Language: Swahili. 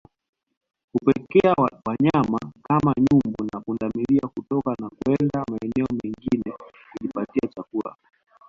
Hupelekea wanyama kama nyumbu na pundamilia kutoka na kuenda maeneo mengine kujipatia chakula